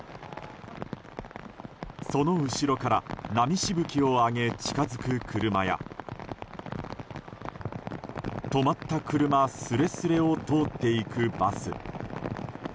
その後ろから波しぶきを上げ近づく車や止まった車すれすれを通っていくバス。